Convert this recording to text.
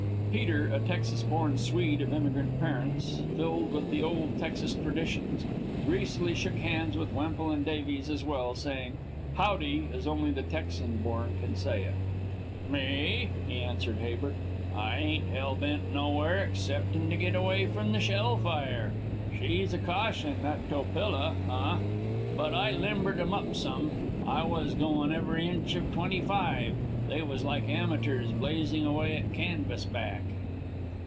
Peter, a Texas born Swede of immigrant parents, filled with the old Texas traditions, greasily shook hands with Wemple and Davies as well, saying "Howdy," as only the Texan born can say it. "Me," he answered Habert. "I ain't hellbent nowhere exceptin' to get away from the shell fire. She's a caution, that Topila. Huh! but I limbered 'em up some. I was goin' every inch of twenty five. They was like amateurs blazin' away at canvasback."